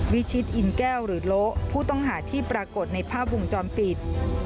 วิชิตอินแก้วหรือโละผู้ต้องหาที่ปรากฏในภาพวงจรปิด